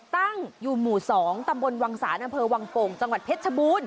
ตั้งอยู่หมู่๒ตำบลวังศาลอำเภอวังโป่งจังหวัดเพชรชบูรณ